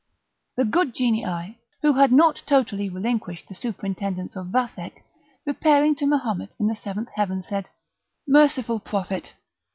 The good Genii, who had not totally relinquished the superintendence of Vathek, repairing to Mahomet in the seventh heaven, said: "Merciful Prophet!